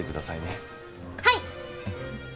はい！